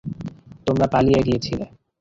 তোমরা পালিয়ে গিয়েছিলে।